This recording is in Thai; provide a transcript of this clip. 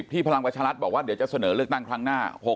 พลังประชารัฐบอกว่าเดี๋ยวจะเสนอเลือกตั้งครั้งหน้า